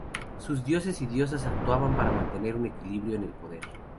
Sus dioses y diosas actuaban para mantener un equilibrio en el poder.